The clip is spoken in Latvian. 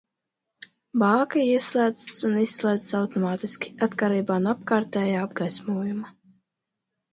Bāka ieslēdzas un izslēdzas automātiski, atkarībā no apkārtējā apgaismojuma.